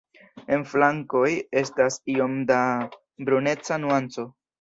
En flankoj estas iom da bruneca nuanco.